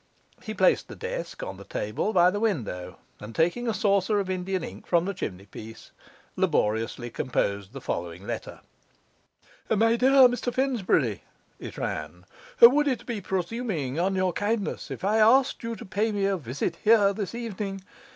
He placed the desk on the table by the window, and taking a saucer of Indian ink from the chimney piece, laboriously composed the following letter: 'My dear Mr Finsbury,' it ran, 'would it be presuming on your kindness if I asked you to pay me a visit here this evening?